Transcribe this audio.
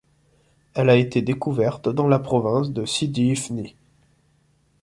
Elle a été découverte dans la province de Sidi Ifni.